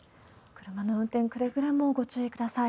車の運転、くれぐれもご注意ください。